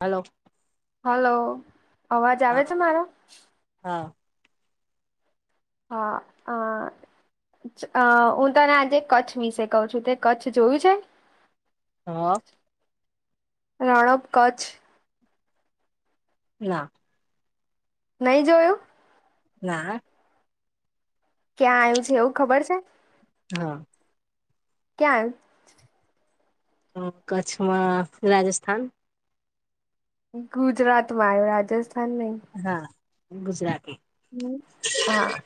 Hello. Hello અવાજ આવે હા છે મારો. હા. હા. અ હું તને આજે કચ્છ વિશે કહ છું તે કચ્છ જોયું છે. હા. રણબ કચ્છ. ના. નહી જોયું. ના અ. ક્યાં આવ્યું છે એવું ખબર છે. હા. કેમ? હ કચ્છમાં રાજસ્થાન? ગુજરાત માં આયુ રાજસ્થાન નઈ. હા ગુજરાત. હમ હા.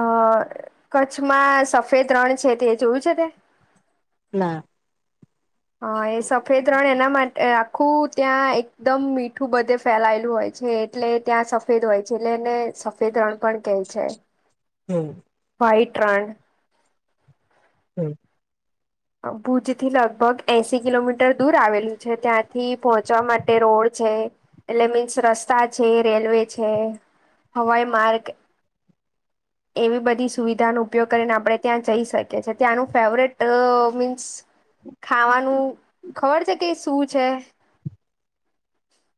અ કચ્છમાં સફેદ રણ છે તે જોયું છે તે. ના. હ એ સફેદ રણ એના માટે આખું. ત્યાં એકદમ મીઠું બધે ફેલાયેલું હોય છે એટલે ત્યાં સફેદ હોય છે એટલે એને સ. સફેતરણ પણ કહે છે. હમ. White run. હમ. ભુજ થી લગભગ એશી કિલોમીટર દૂર આવેલું છે ત્યાંથી પહોંચવા માટે રોડ છે. એટલે મીન્સ રસ્તા છે રેલવે છે હવાઈ માર્ગ. એવી બધી સુવિધાનો ઉપયોગ કરીને આપણે ત્યાં જઈ શકીએ છીએ ત્યાંનું ફેવરેટ મીન્સ ખાવાનું ખબર છે કે શું છે?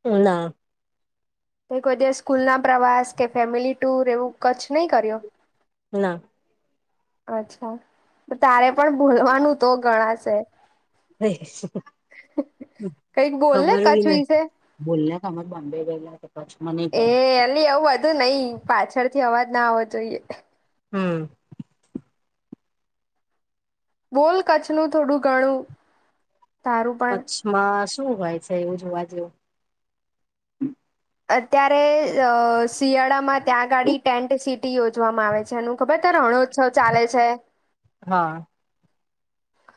ઉ ના. તો કોઈ દિવસ સ્કૂલના પ્રવાસ કે ફેમિલી ટુર એવું કચ્છ નહીં કર્યો? ના. અચ્છા તારે પણ બોલવાનું તો ગણાશે. હ શ હ [unintelligible] કઈક બોલ ને ખબર હોય કચ્છ નહિ. વિશે બોલને અમાર બોમ્બે ગયલા તો કછમા નહી એ ગયા. એલી આવું નહી પાછળથી અવાજ ના આવવો જોઈએ. હમ. બોલ કચ્છનું થોડું ઘણું તારું પણ. માં શું હોય છે એવું જોવા જેવુ. અત્યારે શિયાળામાં માં ત્યાં ગાડી ટેન્ટ સિટી યોજવામાં આવે છે એનું ખબર છે રણોત્સવ ચાલે છે? હા.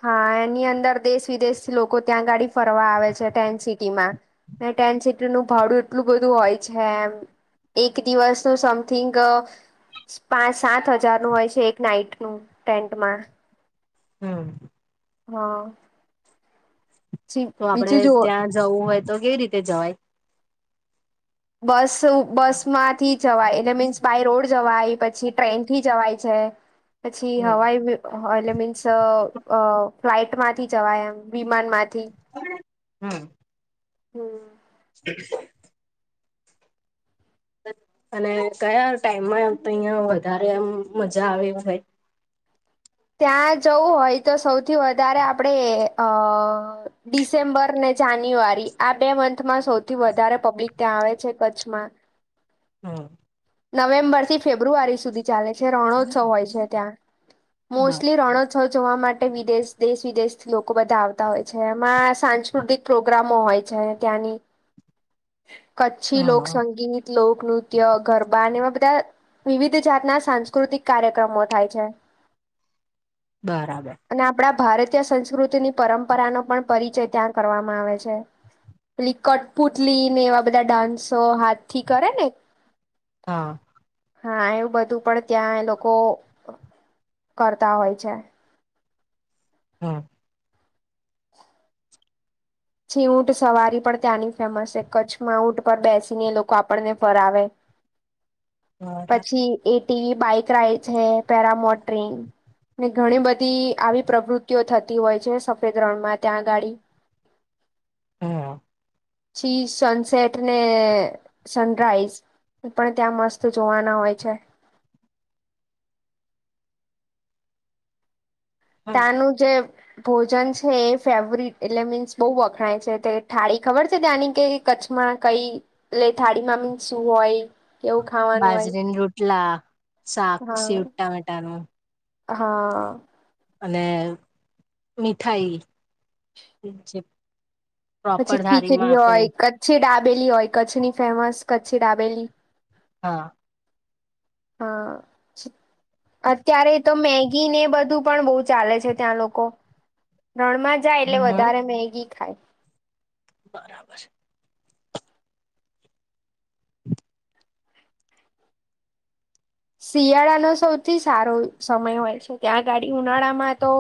હા એની અંદર દેશ વિદેશથી લોકો ત્યાં ગાડી ફરવા આવે છે ટેન્ટ સિટીમાં. ત્યા ટેન્ટ સીટીનુ ભાડું એટલું બધું હોય છે એમ. એક દિવસ નું સમથિંગ. પાંચ સાત હજારનું હોય છે એક નાઈટનું ટેન્ટમાં. હમ. હા. પછી તો આપડે બીજું જુઓ ત્યાં જવું હોય તો કેવી રીતે જવાય? બસ બસ માંથી જવાય એટલે મીન્સ બાય રોડ જવાય પછી ટ્રેન થી જવાય છે. પછી હમ હવાઈ એટલે મીન્સ અ ફ્લાઇટમાંથી જવાય એમ વિમાનમાંથી. હમ [inaudible] હમ. બ [inaudible] અને કયા ટાઈમમાં તહિયાં વધારે આમ મજા આવે હોય? ત્યાં જવું હોય તો સૌથી વધારે આપણેે અ ડિસેમ્બર ને જાન્યુઆરી આ બે મંથમાં સૌથી વધારે પબ્લિક ત્યાં આવે છે કચ્છમાં. હમ. નવેમ્બર થી ફેબ્રુઆરી સુધી ચાલે છે રણોત્સવ હોય છે ત્યાં બ મોસ્ટલી રણોત્સ જોવા માટે વિદેશ દેશ વિદેશથી લોકો બધા આવતા હોય છે એમાં સાંજ કૃતિક પ્રોગ્રામો હોય છે ત્યાંની કચ્છી હા લોકસંગીત, લોકનૃત્ય, ગરબા અને એવા બધા વિવિધ જાતના સાંસ્કૃતિક કાર્યક્રમો થાય છે. બરાબર. અને આપણા ભારતીય સંસ્કૃતિની પરંપરાનો પણ પરિચય ત્યાં કરવામાં આવે છે. પેલી કટપુતલી ને એવા બધા ડાન્સો હાથ થી કરે ને. હા. હા એવું બધું પણ ત્યાં લોકો. કરતા હોય છે. હમ. પછી ઊંટ સવારી પણ ત્યાંની ફેમસ છે કચ્છમાં ઊંટ પર બેસીને એ લોકો આપણને ફરાવે. [inaudible] બરાબર પછી એટીવી બાઈક રાઈડ છે પેરા મોોટરિંગ. ને ઘણી બધી આવી પ્રવૃત્તિઓ થતી હોય છે સફેદ રણમાં ત્યાંગાડી. હા. શી સનસેટ ને સનરાઈઝ. પણ ત્યાં મસ્ત જોવાના હોય છે. હા ત્યાંનું જે. ભોજન છે એ ફેવરટ એટલે મીન્સ બહુ વખણાય છે તે થઠાળી ખબર છે ત્યાંની કે. કચ્છમાં કઈ એટલે થાળી મામી શું હોય. કેવું ખાવાનું હોય બાજરીનું રોટલા સાક સટ હા ટામેટાનું. હા. અને મીઠાઈ જે. પછી પ્રોપર થાળીમાં ખીચડી આપે હોય કચ્છી ડાબેલી હોય કચ્છની ફેમસ કચ્છી ડાબેલી. હા. હા અત્યારે તો મેગી ને બધું પણ બહ. ચાલે છે ત્યાં લોકો રણમાં જાય એટલે હમ વધારે મેગી ખાય. બરાબર છે. શિયાળાનો સૌથી સારો સમય હોય છે ત્યાં ગાડી ઉનાળામાં તો.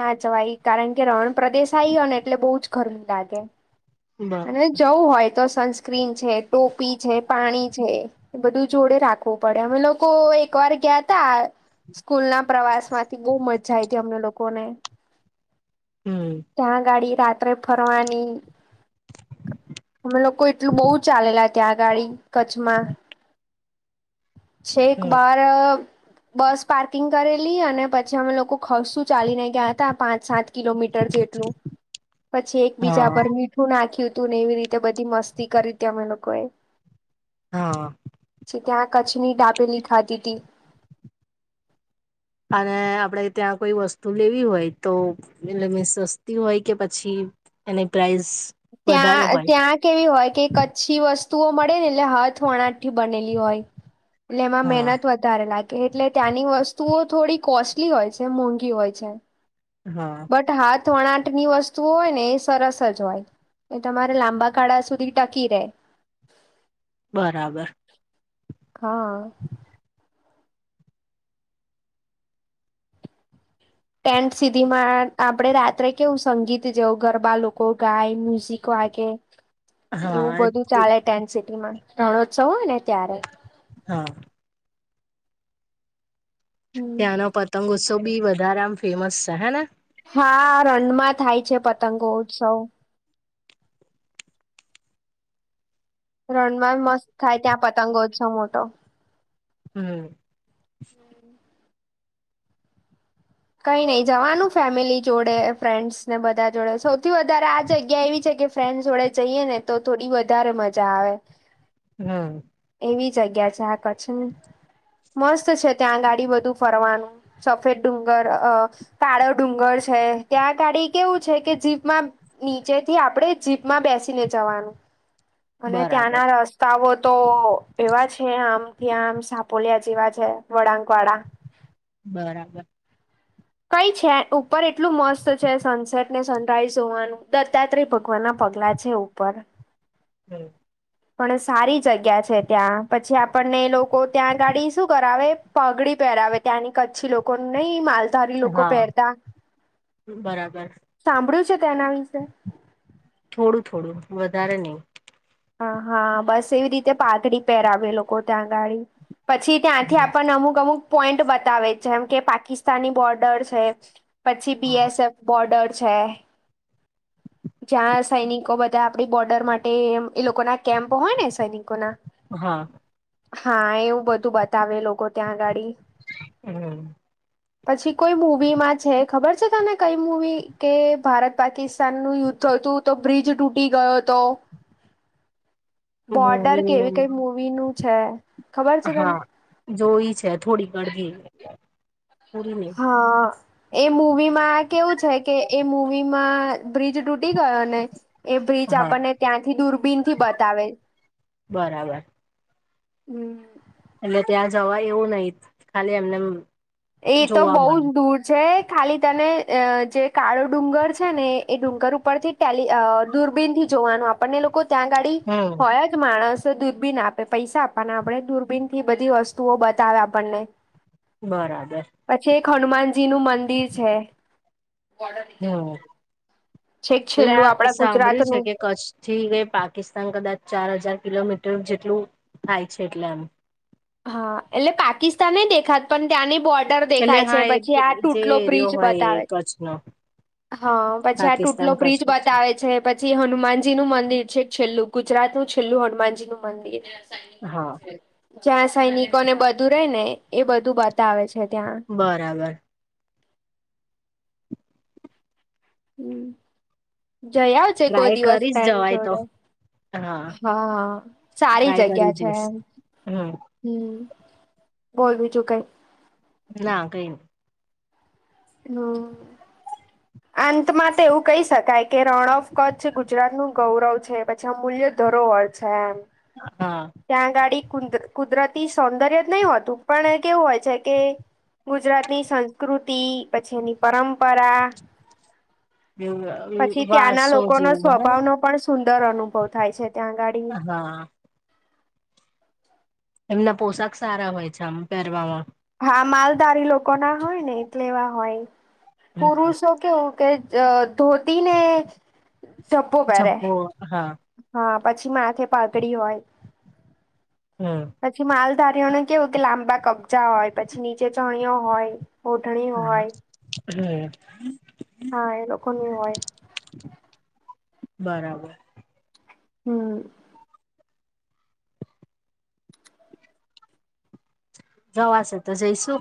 ના જવાય કારણ કે રણ પ્રદેશ આયો ને એટલે બહુજ ગરમી લાગે. બ અને જવું હોય તો સનસ્ક્રીન છે ટોપી છે પાણી છે. એ બધું જોડે રાખવું પડે અમે લોકો એક વાર ગયા તા. સ્કૂલ ના પ્રવાસ માંથી બહુ મજા આવી હતી અમને લોકો ને. હમ. ત્યાં ગાડી રાત્રે ફરવાની. અમે લોકો એટલું બહુ ચાલેલા ત્યાં આ ગાડી કચ્છમાં. છે એક હમ બાર. બસ પાર્કિંગ કરેલી અને પછી અમે લોકો ખસું. ચાલીને ગયા હતા પાંચ સાત કિલોમીટર જેટલું પછી એકબીજા હા પર મી. નાખ્યું તું ને એવી રીતે બધી મસ્તી કરી હતી અમે લોકોએ. હ ત્યાં કચ્છની ડાબેલીી ખાતી હતી. અને આપડે ત્યાં કોઈ વસ્તુ લેવી હોય તો. એટલે સસ્તી હોય કે પછી એની પ્રઇસ. ત્યા ત્યા. કેવી હોય કે કચ્છી વસ્તુઓ મળે ને એટલે હાથ વણાટ થી બનેલી હોય. એટલે એમાં મહેનત હા વધ વધારે લાગે એટલે ત્યાંની વસ્તુઓ થોડી કોસ્ટલી હોય છે મોંઘી હોય છે. હ બટ હાથ વણાટની વસ્તુઓ હોય ને એ સરસજ હોય. એ તમારે લાંબા ગાળા સુધી ટકી રહેે બરાબર હમ્મ ટેન્ટ સીતી માં આપડે રાત્રે કેવું સંગીત જેવું ગરબા લોકો ગાય મ્યુઝિક. વાગે એવું હા બધું ચાલે ટેન્ટ સિટીમાં રણોત્સવ હોય ને ત્યારે. હા. હમ ત્યાંનો પતંગોત્સવ બી વધારે આમ ફેમસ છે હેને. હા રણમાં થાય છે પતંગો ઉત્સવ. રણમાં મસ્ત થાય ત્યાં પતંગો છ મોટો. હમ. કઈ નઈ જવાનું ફેમિલી જોડે ફ્રેન્ડ્સ ને બધા જોડે સૌથી વધારે આ જગ્યા એવી છે કે. ફ્રેન્ડસ વડે જઈએ ને તો થોડી વધારે મજા આવે. હમ્મ એવી જગ્યા છે આ કચ્છ ની મસ્ત છે ત્યાં ગાળી બધું ફરવાનું સફેદ ડુંગ ર છે કાળો ડુંગર છે ત્યાં ગાળી કેવું છે કે જીપ માં નીચે થી આપણેે જીપમાં બેસીને જવાનું અને બરાબર ત્યાંના રસ્તાઓ તો એવા છે આમ ત્યાં આ સાપોલિયા જેવા છેે વડાકવાડા બરાબર કઈ છે ઉપર એટલું મસ્ત છે સનસેટ ને સનરાઈઝ જોવાનું દત્તાત્રેય ભગવાન ના પગલા છે ઉપર હમ્મ પણ સારી જગ્યા છે ત્યાં પછી આપણને લોકો ત્યાં ગાળી શું કરાવે પગડી પહેરાવે ત્યાંની કચ્છી લોકો નિહ માલ ધારી લોકો હા પહેરતા બરાબર સાંભળ્યું છે તેના વિશે થોડું થોડું વધારે નહી હા હા બસ એવી રીતે પાઘડી પહેરાવે લોકો ત્યાં ગાળી પછી ત્યાંથી આપણને અમુક અમુક પોઈન્ટ બતાવે જેમ કે પાકિસ્તા તાણી બોર્ડર છે પછી હા બીએસએફ બોર્ડર છે જ્યાં સૈનિકો બધા આપડી બોર્ડર માટે એ લોકો ના કેમ્પો હોય ને સૈનિકો ના હા હા એવું બધું બતાવે લોકોને ક્યાં ગાળી હમ પછી કોઈ મૂવીમાં છે ખબર છે તને કઈ મુૂવી કે ભારત પાકિસ્તાનનું યુદ્ધ થતું તો બ્રિજ તૂટી ગયો હતો બોર્ડર મૂવી કેવી કઈ મૂવી નું છે ખબર છે તને હા જોઈ છે થોડીક અડધી નહી હ અ એ મૂવીમાં કેવું છે કે એ મૂવીમાં બ્રિજ તૂટી ગયો ને એ બ્રિચ હા આપણને ત્યાંથી દૂરબીનથી બતાવે બરાબર હમ્મ એટલે ત્યાં જવાય એવું નહી ખાલી એમનેમ એ તો બઉુ જ દૂર જે ખાલી તને અ જે કાળો ડુંગર છે ને એ ડુંગર ઉપરથી પેલી અ દૂરબીનથી જોવાનું આપણને એ લોકો ત્યાં ગાડી હમ હોય જ. માણસ દૂરબીન આપે, પૈસા આપવાના આપણે, દૂરબીનથી બધી વસ્તુઓ બતાવે આપણને. બરાબર. પછે એક હનુમાનજીનું મંદિર છે. [inaudible] છેક છેલ્લું પેલા અ આપડા ગુજરાત સાંભળ્યું છે નું કે કચ્છથી કે પાકિસ્તાન કદાચ ચાર હજાર કિલોમીટર જેટલું થાય છે એટલે એમ. હા એટલે પાકિસ્તાન નઈ દેખાત પણ ત્યાંની બો ડર એટલે દેખાય છે, હા એ પછી આ જે ટૂટલો એરિયો બ્રિજ હોય એ બતાવે. કચ્છનો હહ પછી આ ટૂટલો પાકિસ્તાન બ્રિજ કચ્છ બતાવે છે. પછી હનુમાનજીનું મંદિર છે, છેલ્લું ગુજરાતનું છેલ્લું હનુમાનજીનું મંદિર. [inaudible] હહ જ્યાં સૈનિકોને બધું રહેે ને એ બધું બતાવે છે ત્યાં. બરાબર. હમ. જઈ આવજે કોઈ ટ્રાય દિવસ કરીશ ફ્રેન્ડ જવાય તો જોડે. હા. સારી ટ્રાય કરી જગ્યા છે જઈશ એમ. હમ હમ. બોલ બીજું કઈ? ના કઈ નહીં. હમ અંતમાં તો એવું કહી શકાય કે રણ ઓફ કચ્છ ગુજરાતનું ગૌરવ છે. પછી અમૂલ્ય ધરોવર છે એમ. અ હા ત્યાં ગાડી કુંદ કુદરતી સૌંદર્ય જ નહી હોતું પણ એ કેવું હોય છે કે ગુજરાતની સંસ્કૃતિ પછી એની પરંપરા. એવું અ પછી ત્યાંના લોકોનો સ્વભાવનો પણ સુંદર અનુભવ થાય છે ત્યાં ગાડી. હા એમના પોશાક સારા હોય છે આમ પહેરવામાં. હા માલધારી લોકોના હોય ને એટલે એવા હોય. હમ પુરુષો કેવું કે જ ધોતીને, ઝભ્ભો પહેરે. જબ્બો હા હા પછી માથે પાતડી હોય. હમ પછી માલધારીઓને કેવું કે લાંબા કબજા હોય, પછી નીચે ચણીઓ હોય. ઓઢણી હા હોય, હમ હહ એ લોકોની હોય. બરાબર. હમ જવાશે તો જઈશું.